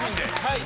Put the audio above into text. はい。